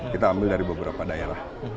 kita ambil dari beberapa daerah